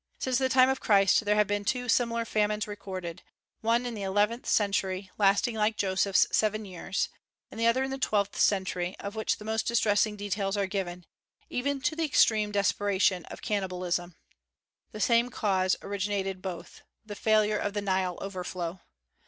Since the time of Christ there have been two similar famines recorded, one in the eleventh century, lasting, like Joseph's, seven years; and the other in the twelfth century, of which the most distressing details are given, even to the extreme desperation of cannibalism. The same cause originated both, the failure of the Nile overflow.